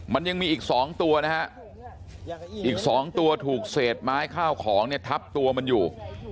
มันยังมีอีก๒ตัวนะฮะอีก๒ตัวถูกเศษไม้ข้าวของเนี่ยทับตัวมันอยู่